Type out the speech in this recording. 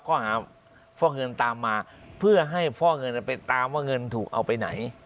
ข้อหาฟอกเงินตามมาเพื่อให้ฟอกเงินไปตามว่าเงินถูกเอาไปไหน